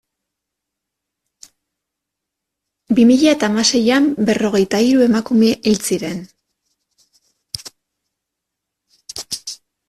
Bi mila eta hamaseian berrogeita hiru emakume hil ziren.